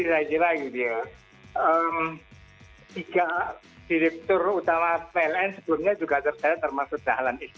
tiga direktur utama pln sebelumnya juga terseret termasuk jalan